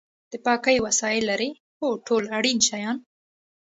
د پاکۍ وسایل لرئ؟ هو، ټول اړین شیان